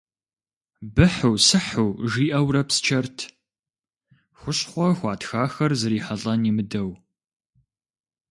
Быхьу-сыхьу жиӏэурэ псчэрт, хущхъуэ хуатхахэр зрихьэлӏэн имыдэу.